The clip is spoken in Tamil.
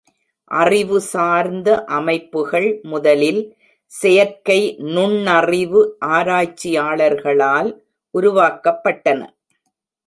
அறிவு சார்ந்த அமைப்புகள் முதலில் செயற்கை நுண்ணறிவு ஆராய்ச்சியாளர்களால் உருவாக்கப்பட்டன.